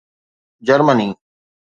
Germany